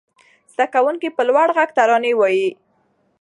زده کوونکي په لوړ غږ ترانې وايي.